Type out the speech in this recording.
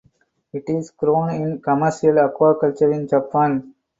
It is grown in commercial aquaculture in Japan.